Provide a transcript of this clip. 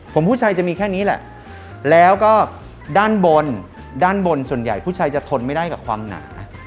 ผมผู้ชายจะมีแค่นี้แหละแล้วก็ด้านบนด้านบนส่วนใหญ่ผู้ชายจะทนไม่ได้กับความหนา